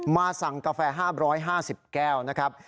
มาสั่งกาแฟ๕๕๐บาท